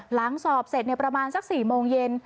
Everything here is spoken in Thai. สอบเสร็จประมาณสัก๔โมงเย็น